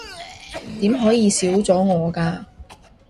點可以少咗我㗎